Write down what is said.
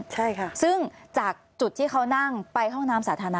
ใช่ค่ะซึ่งจากจุดที่เขานั่งไปห้องน้ำสาธารณะ